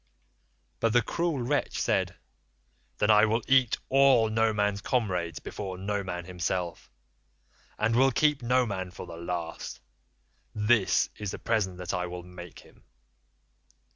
"But the cruel wretch said, 'Then I will eat all Noman's comrades before Noman himself, and will keep Noman for the last. This is the present that I will make him.